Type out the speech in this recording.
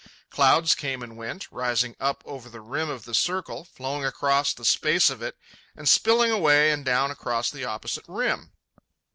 Clouds came and went, rising up over the rim of the circle, flowing across the space of it, and spilling away and down across the opposite rim.